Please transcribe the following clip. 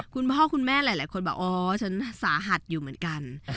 คุณพ่อคุณแม่หลายคนบอกอ๋อฉันสาหัสอยู่เหมือนกัน